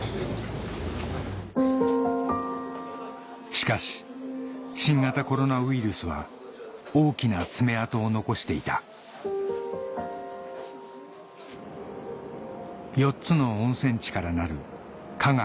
しかし新型コロナウイルスは大きな爪痕を残していた４つの温泉地からなる加賀